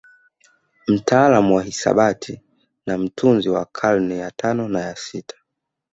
Mtaalamu wa hisabati na mtunzi wa karne ya tano na ya sita